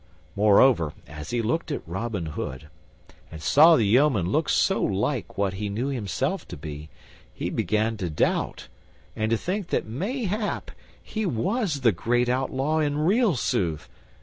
Moreover, as he looked at Robin Hood, and saw the yeoman look so like what he knew himself to be, he began to doubt and to think that mayhap he was the great outlaw in real sooth.